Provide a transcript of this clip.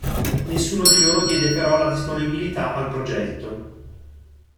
Nessuno di loro diede però la disponibilità al progetto.